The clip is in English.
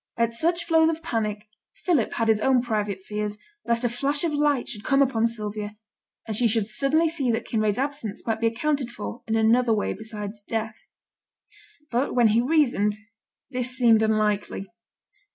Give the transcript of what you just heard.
At such flows of panic, Philip had his own private fears lest a flash of light should come upon Sylvia, and she should suddenly see that Kinraid's absence might be accounted for in another way besides death. But when he reasoned, this seemed unlikely.